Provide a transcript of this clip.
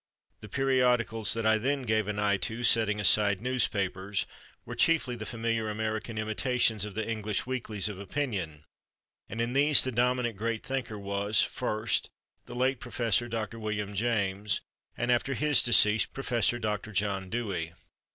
The periodicals that I then gave an eye to, setting aside newspapers, were chiefly the familiar American imitations of the English weeklies of opinion, and in these the dominant Great Thinker was, first, the late Prof. Dr. William James, and, after his decease, Prof. Dr. John Dewey.